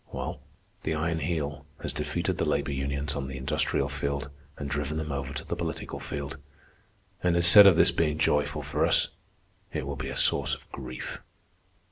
Well, the Iron Heel has defeated the labor unions on the industrial field and driven them over to the political field; and instead of this being joyful for us, it will be a source of grief.